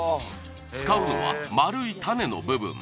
使うのは丸い種の部分